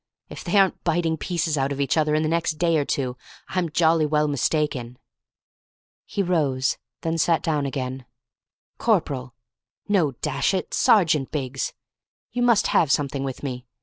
If they aren't biting pieces out of each other in the next day or two, I'm jolly well mistaken." He rose; then sat down again. "Corporal no, dash it, Sergeant Biggs you must have something with me.